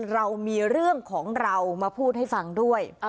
เรามีเรื่องของเรามาพูดให้ฟังด้วย